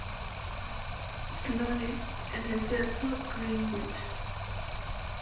Sloane" en el teatro Greenwich.